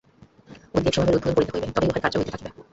ঐ দেব-স্বভাবের উদ্বোধন করিতে হইবে, তবেই উহার কার্য হইতে থাকিবে।